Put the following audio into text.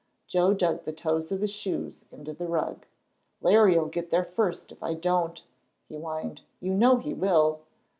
Joel dug the toes of his shoes into the rug. "Larry'll get there first if I don't," he whined; "you know he will."